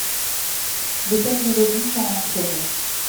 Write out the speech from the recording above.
Les sept mélodies sont enchaînées.